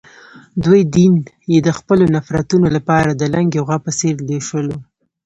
دوی دین یې د خپلو نفرتونو لپاره د لُنګې غوا په څېر لوشلو.